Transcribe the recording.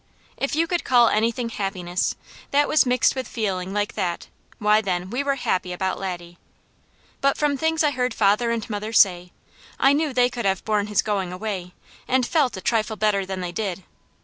If you could call anything happiness, that was mixed with feeling like that, why, then, we were happy about Laddie. But from things I heard father and mother say, I knew they could have borne his going away, and felt a trifle better than they did.